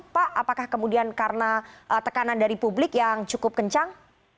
pak apakah kemudian karena tekanan dari publik yang cukup kencang